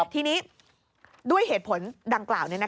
ทีนี้ด้วยเหตุผลดังกล่าว